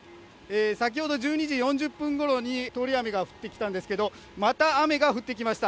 先ほど１２時４０分ごろに通り雨が降ってきたんですけど、また雨が降ってきました。